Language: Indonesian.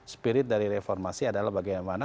spirit dari reformasi adalah bagaimana